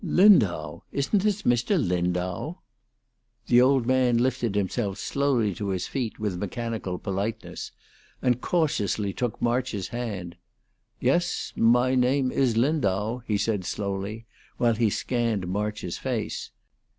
"Lindau! Isn't this Mr. Lindau?" The old man lifted himself slowly to his feet with mechanical politeness, and cautiously took March's hand. "Yes, my name is Lindau," he said, slowly, while he scanned March's face.